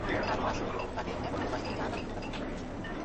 কারণ রাসূল তাকে এতো ভালবাসতেন যার কারণে গোটা দুনিয়া তাকে ঈর্ষা করত।